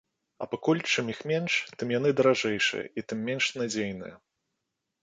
А пакуль чым іх менш, тым яны даражэйшыя, і тым менш надзейныя.